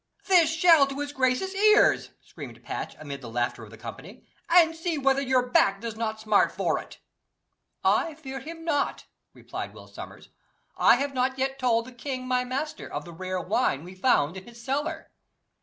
"This shall to his grace's ears," screamed Patch, amid the laughter of the company "and see whether your back does not smart for it." "I fear him not," replied Will Sommers. "I have not yet told the king my master of the rare wine we found in his cellar."